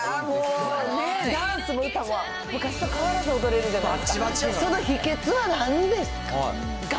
さすがもう、ダンスも歌も、昔と変わらず踊れるじゃないです